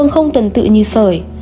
không tuần tự như sởi